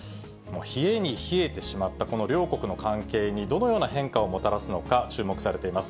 冷えに冷えてしまったこの両国の関係に、どのような変化をもたらすのか、注目されています。